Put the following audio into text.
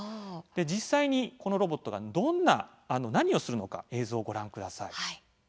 実際に、このロボットが何をするのか映像をご覧ください。